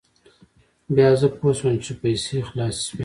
بیا زه پوه شوم چې پیسې خلاصې شوې.